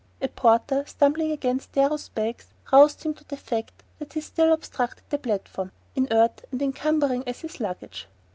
A porter, stumbling against Darrow's bags, roused him to the fact that he still obstructed the platform, inert and encumbering as his luggage.